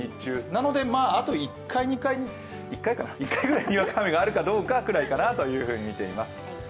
なので、あと１回、２回１回ぐらいにわか雨があるかどうかというぐらいに見ています。